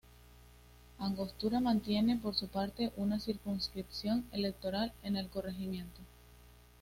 Angostura mantiene por su parte una circunscripción electoral en el corregimiento.